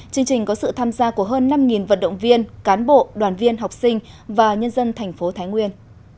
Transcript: chương trình có sự tham gia của hơn năm vận động viên cán bộ đoàn viên học sinh và nhân dân thành phố thái nguyên